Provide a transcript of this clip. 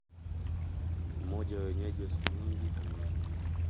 Mmoja wa Wenyeji wa siku nyingi ameniambia